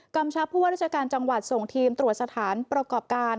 ชับผู้ว่าราชการจังหวัดส่งทีมตรวจสถานประกอบการ